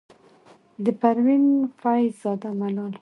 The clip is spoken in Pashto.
د پروين فيض زاده ملال،